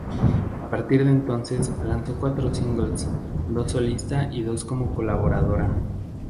A partir de entonces lanzó cuatro singles, dos solista y dos como colaboradora.